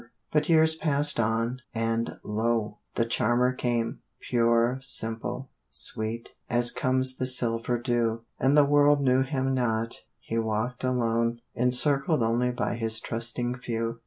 But years passed on; and lo! the Charmer came Pure, simple, sweet, as comes the silver dew; And the world knew him not he walked alone, Encircled only by his trusting few.